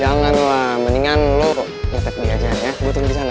jangan lah mendingan lo nge tag dia aja ya gue tunggu di sana